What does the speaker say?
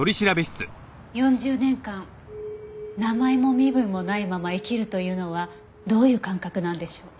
４０年間名前も身分もないまま生きるというのはどういう感覚なんでしょう？